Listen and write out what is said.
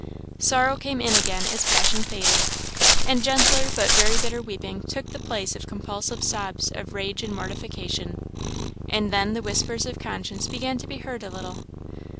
Sorrow came in again as passion faded, and gentler but very bitter weeping took the place of compulsive sobs of rage and mortification, and then the whispers of conscience began to be heard a little.